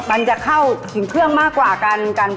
มันจะเข้าถึงเครื่องมากกว่ากัน